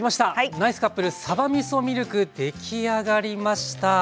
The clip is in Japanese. ナイスカップルさばみそミルク出来上がりました。